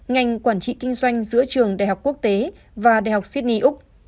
ngành quản trị kinh doanh giữa trường đại học quốc tế và đại học sydney úc